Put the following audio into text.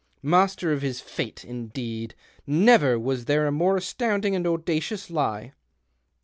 Master of his fate, indeed ! Never was there a more astounding and audacious lie."'